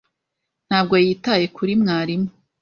Ntabwo yitaye kuri mwarimu.